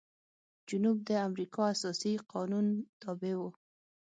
جنوب د امریکا اساسي قانون تابع و.